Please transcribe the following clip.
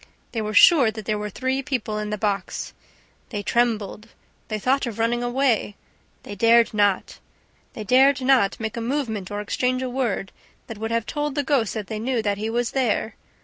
... They were sure that there were three people in the box ... They trembled ... They thought of running away ... They dared not ... They dared not make a movement or exchange a word that would have told the ghost that they knew that he was there!